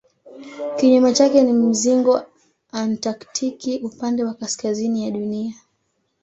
Kinyume chake ni mzingo antaktiki upande wa kaskazini ya Dunia.